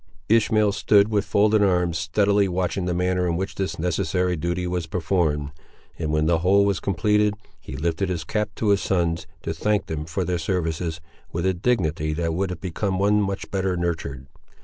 Ishmael stood, with folded arms, steadily watching the manner in which this necessary duty was performed, and when the whole was completed, he lifted his cap to his sons, to thank them for their services, with a dignity that would have become one much better nurtured.